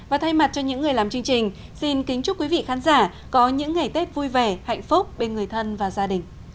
và thay mặt cho những người làm chương trình xin kính chúc quý vị khán giả có những ngày tết vui vẻ hạnh phúc bên người thân và gia đình